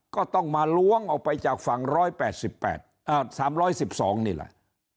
ก็ต้องมาล้วงออกไปจากฝั่ง๑๘๘๓๑๒นี่แหละ